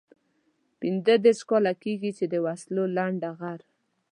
پنځه دېرش کاله کېږي چې د وسلو لنډه غر.